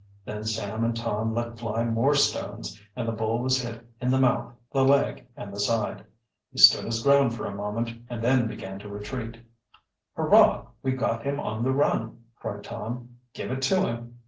Then Sam and Tom let fly more stones, and the bull was hit in the mouth, the leg, and the side. He stood his ground for a moment and then began to retreat. "Hurrah! we've got him on the run!" cried Tom. "Give it to him!"